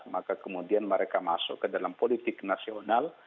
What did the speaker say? maka kemudian mereka masuk ke dalam politik nasional